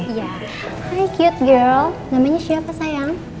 hai cute girl namanya siapa sayang